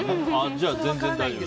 じゃあ、全然大丈夫だ。